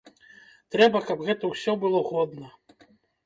Трэба, каб гэта ўсё было годна.